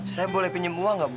saya boleh pinjam uang nggak bu